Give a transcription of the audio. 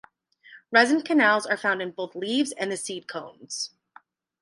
Resin canals are found in both leaves and the seed cones.